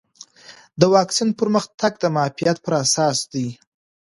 د واکسین پرمختګ د معافیت پر اساس دی.